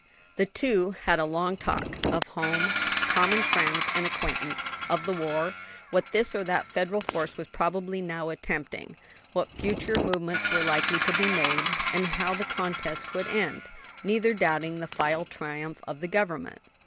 The two had a long talk: of home, common friends and acquaintance; of the war, what this or that Federal force was probably now attempting; what future movements were likely to be made, and how the contest would end; neither doubting the final triumph of the government.